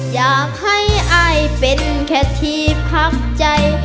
อยากให้อายเป็นแค่ที่พักใจ